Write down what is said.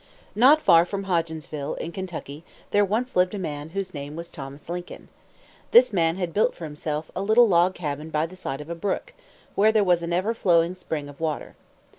Not far from Hodgensville, in Kentucky, there once lived a man whose name was Thomas Lincoln. This man had built for himself a little log cabin by the side of a brook, where there was an ever flowing spring of water.